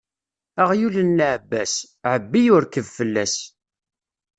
Aɣyul n leɛbas, ɛebbi u rkeb fell-as.